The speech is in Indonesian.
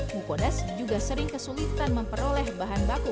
mukodas juga sering kesulitan memperoleh bahan baku